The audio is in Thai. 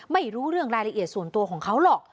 ไม่รู้เรื่องรายละเอียดส่วนตัวของเขาหรอก